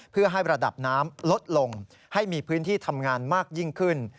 เพื่อให้ระดับน้ำลดลงให้มีพื้นที่ทำงานมากยิ่งขึ้น